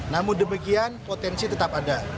namun demikian potensi tetap ada